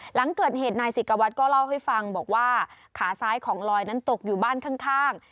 หลังเกิดเหตุนายศิกวัตรก็เล่าให้ฟังบอกว่าขาซ้ายของลอยนั้นตกอยู่บ้านข้าง